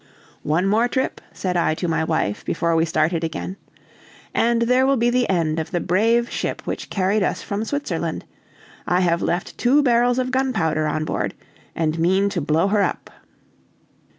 "One more trip," said I to my wife, before we started again, "and there will be the end of the brave ship which carried us from Switzerland. I have left two barrels of gunpowder on board and mean to blow her up."